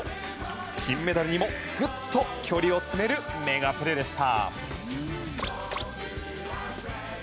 金メダルにもぐっと距離を詰めるメガプレでした。